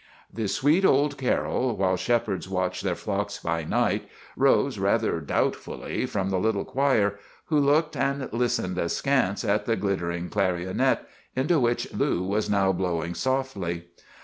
"The sweet old carol, 'While shepherds watched their flocks by night,' rose rather doubtfully from the little choir, who looked and listened askance at the glittering clarionet, into which Lou was now blowing softly.